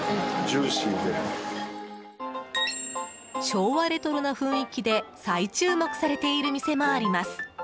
昭和レトロな雰囲気で再注目されている店もあります。